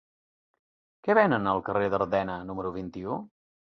Què venen al carrer d'Ardena número vint-i-u?